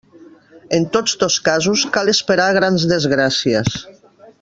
En tots dos casos, cal esperar grans desgràcies.